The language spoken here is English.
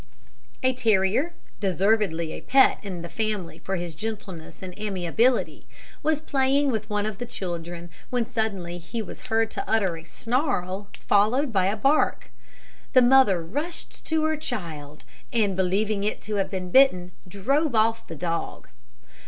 A Terrier deservedly a pet in the family for his gentleness and amiability was playing with one of the children, when suddenly he was heard to utter a snarl, followed by a bark. The mother rushed to her child, and believing it to have been bitten, drove off the dog.